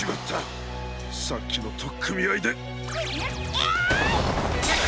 えい！